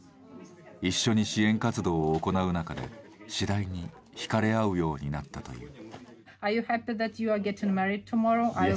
一緒に支援活動を行う中で次第に引かれ合うようになったという。